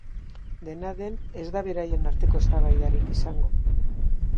Dena den, ez da beraien arteko eztabaidarik izango.